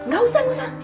gak usah gak usah